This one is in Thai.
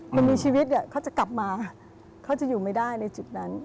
มันมีชีวิตเนี่ยเขาจะกลับมาเขาจะอยู่ไม่ได้ในจุดนั้น